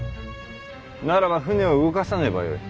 ならば船を動かさねばよい。